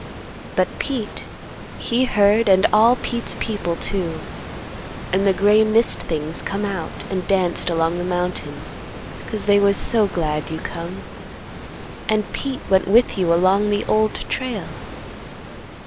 But Pete he heard and all Pete's people, too. And the gray mist things come out and danced along the mountain, 'cause they was so glad you come. And Pete went with you along the Old Trail.